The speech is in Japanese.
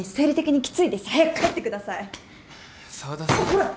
ほら。